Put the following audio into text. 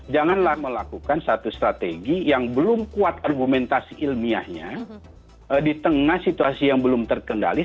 janganlah melakukan satu strategi yang belum kuat argumentasi ilmiahnya di tengah situasi yang belum terkendali